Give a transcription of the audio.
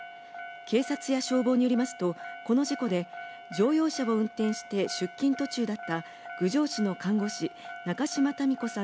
警察や消防によりますとこの事故で乗用車を運転して出勤途中だった郡上市の看護師中嶋多美子さん